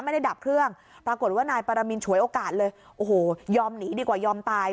ดับเครื่องปรากฏว่านายปรมินฉวยโอกาสเลยโอ้โหยอมหนีดีกว่ายอมตาย